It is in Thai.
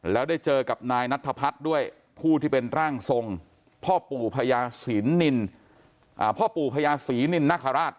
แล้วได้เจอกับนายนัทธพัฒน์ด้วยผู้ที่เป็นร่างทรงพ่อปู่พญาศีนินนคราช